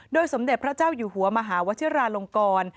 สมเด็จพระเจ้าอยู่หัวมหาวชิราลงกร